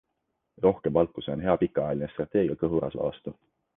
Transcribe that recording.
Rohkem valku - see on hea pikaajaline strateegia kõhurasva vastu.